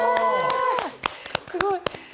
すごい！